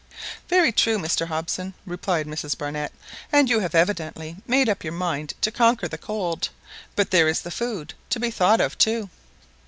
"Very true, Mr Hobson," replied Mrs Barnett; "and you have evidently made up your mind to conquer the cold; but there is the food to be thought of too."